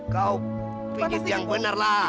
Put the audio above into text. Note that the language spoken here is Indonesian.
kau pijit yang bener lah